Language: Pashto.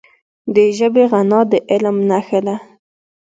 د ژبي غنا د علم نښه ده.